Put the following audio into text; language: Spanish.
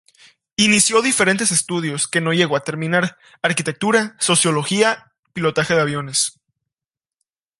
Inició diferentes estudios, que no llegó a terminar: arquitectura, sociología, pilotaje de aviones.